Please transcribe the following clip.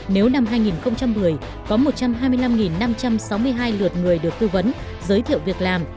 nếu năm hai nghìn một mươi có một trăm hai mươi năm năm trăm sáu mươi hai lượt người được tư vấn giới thiệu việc làm